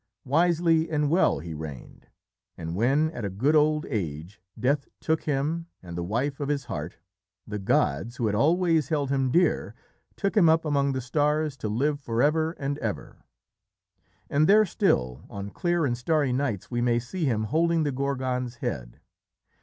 Wisely and well he reigned, and when, at a good old age, Death took him and the wife of his heart, the gods, who had always held him dear, took him up among the stars to live for ever and ever. And there still, on clear and starry nights, we may see him holding the Gorgon's head.